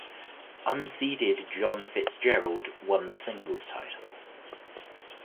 Unseeded John Fitzgerald won the singles title.